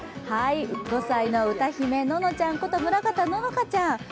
５歳の歌姫ののちゃんこと村方乃々佳ちゃんです。